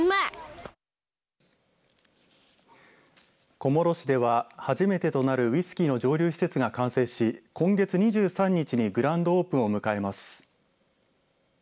小諸市では初めてとなるウイスキーの蒸留施設が完成し今月２３日にグランドオープンを迎えます。